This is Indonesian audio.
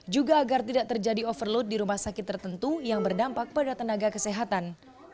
juga agar tidak terjadi overload di rumah sakit tertentu yang berdampak pada tenaga kesehatan